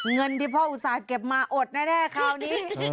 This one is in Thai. เงินที่พ่ออุตส่าห์เก็บมาอดแน่คราวนี้